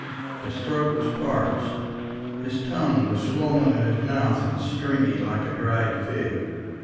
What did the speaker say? His throat was parched, his tongue was swollen in his mouth and stringy like a dried fig.